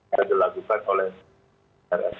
yang dilakukan oleh rspn